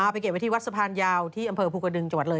เก็บไว้ที่วัดสะพานยาวที่อำเภอภูกระดึงจังหวัดเลย